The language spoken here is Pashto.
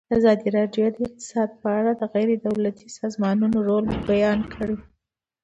ازادي راډیو د اقتصاد په اړه د غیر دولتي سازمانونو رول بیان کړی.